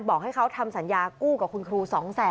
บอกให้เขาทำสัญญากู้กับคุณครู๒๐๐๐